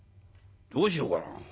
どうしようかな？